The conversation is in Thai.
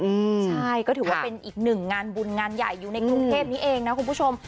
อืมใช่ก็ถือว่าเป็นอีกหนึ่งงานบุญงานใหญ่อยู่ในกรุงเทพนี้เองนะคุณผู้ชม